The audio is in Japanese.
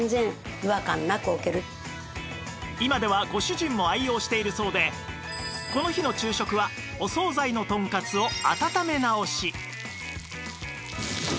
今ではご主人も愛用しているそうでこの日の昼食はお総菜のとんかつを温め直し